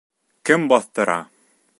— Кем баҫтыра?